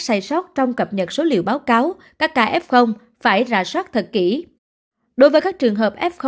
sai sót trong cập nhật số liệu báo cáo các kf phải rà soát thật kỹ đối với các trường hợp f